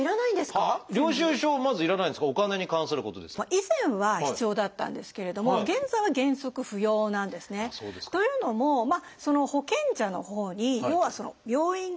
以前は必要だったんですけれども現在は原則不要なんですね。というのも保険者のほうに要は病院から請求いきますよね。